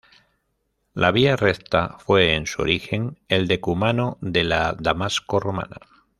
La Via Recta fue en su origen el decumano de la Damasco romana.